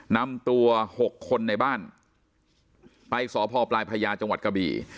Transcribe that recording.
นำตัว๖คนในบ้านไปสพปลายพญาจังหวัดกะบี่